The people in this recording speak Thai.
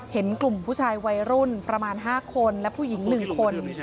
เห็นกลุ่มผู้ชายวัยรุ่นประมาณ๕คนและผู้หญิง๑คน